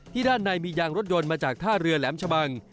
ด้านในมียางรถยนต์มาจากท่าเรือแหลมชะบัง